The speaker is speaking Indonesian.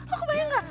lo kebayang gak